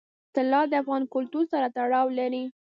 طلا د افغان کلتور سره تړاو لري.